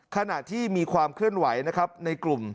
ขณะที่มีความเคลื่อนไหวนะครับในกลุ่ม